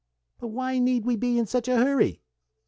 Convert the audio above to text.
"But why need we be in such a hurry?"